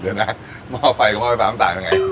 เดี๋ยวนะหม้อไฟกับหม้อไฟฟ้ามันต่างกันไง